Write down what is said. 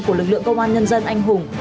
của lực lượng công an nhân dân anh hùng